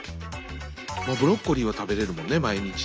ブロッコリーは食べれるもんね毎日ね。